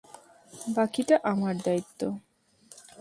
বাকিটা আমার দায়িত্ব।